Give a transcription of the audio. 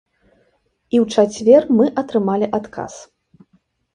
І ў чацвер мы атрымалі адказ.